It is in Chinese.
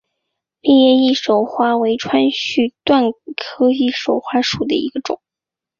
裂叶翼首花为川续断科翼首花属下的一个种。